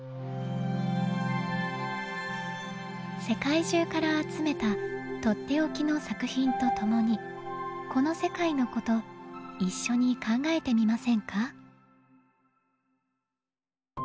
世界中から集めたとっておきの作品とともにこの世界のこと一緒に考えてみませんか？